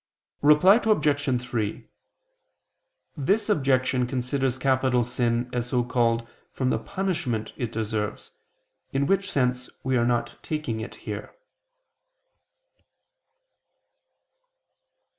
Reply Obj. 3: This objection considers capital sin as so called from the punishment it deserves, in which sense we are not taking it here.